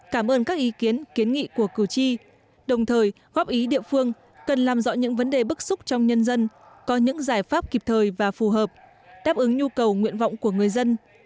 cảm ơn các ý kiến kiến nghị của cử tri đồng thời góp ý địa phương cần làm rõ những vấn đề bức xúc trong nhân dân có những giải pháp kịp thời và phù hợp đáp ứng nhu cầu nguyện vọng của người dân